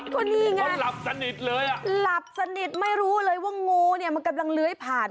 ก็นี่ไงเขาหลับสนิทเลยอ่ะหลับสนิทไม่รู้เลยว่างูเนี่ยมันกำลังเลื้อยผ่าน